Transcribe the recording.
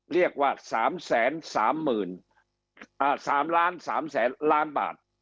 เรียกว่า๓๓แสนล้านบาท